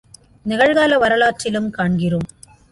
நிகழ்கால வரலாற்றிலும் காண்கிறோம்.